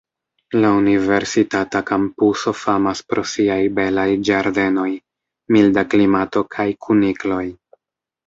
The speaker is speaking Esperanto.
La universitata kampuso famas pro siaj belaj ĝardenoj, milda klimato kaj kunikloj.